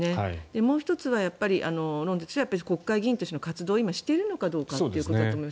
もう１つは国会議員としての活動を今、しているのかどうかというところだと思います。